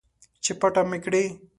چې پټه مې کړي